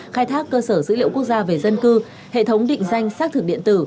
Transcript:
khai thác cơ sở dữ liệu quốc gia về dân cư hệ thống định danh xác thực điện tử